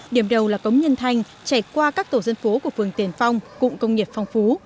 điểm đầu là cống nhân thanh chạy qua các tổ dân phố của phường tiền phong cụng công nghiệp phong phú